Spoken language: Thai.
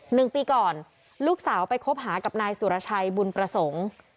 หนึ่งปีก่อนลูกสาวไปคบหากับนายสุรชัยบุญประสงค์